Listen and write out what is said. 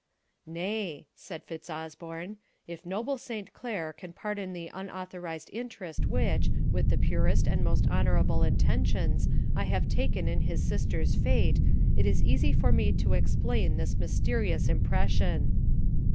'Nay,' said Fitzosborne, 'if noble Saint Clere can pardon the unauthorized interest which, with the purest and most honourable intentions, I have taken in his sister's fate, it is easy for me to explain this mysterious impression.'